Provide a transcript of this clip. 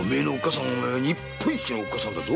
さんは日本一のおっかさんだぞ。